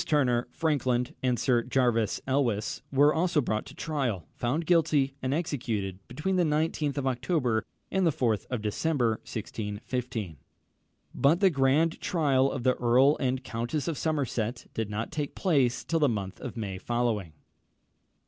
Turner, Franklin, and Sir Jervis Elwes were also brought to trial, found guilty, and executed between the 19th of October and the 4th of December 1615; but the grand trial of the Earl and Countess of Somerset did not take place till the month of May following.